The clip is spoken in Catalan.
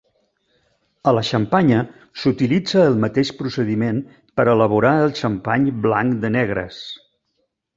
A la Xampanya s'utilitza el mateix procediment per elaborar el xampany blanc de negres.